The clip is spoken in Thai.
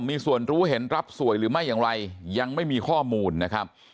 มีส่วนรู้เห็นรับสวยหรือไม่อย่างไรยังไม่มีข้อมูลนะครับ